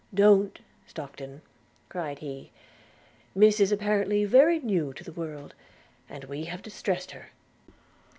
– 'Don't, Stockton,' cried he; 'Miss is apparently very new to the world, and we have distressed her.'